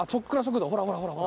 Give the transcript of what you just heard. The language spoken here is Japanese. ほらほらほらほら。